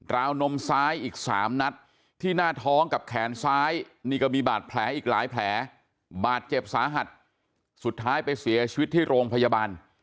วนมซ้ายอีก๓นัดที่หน้าท้องกับแขนซ้ายนี่ก็มีบาดแผลอีกหลายแผลบาดเจ็บสาหัสสุดท้ายไปเสียชีวิตที่โรงพยาบาล